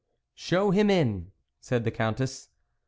" Show him in," said the Countess.